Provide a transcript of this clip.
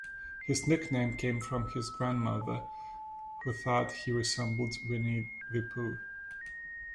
His nickname came from his grandmother, who thought he resembled Winnie the Pooh.